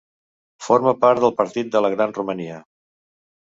Forma part del Partit de la Gran Romania.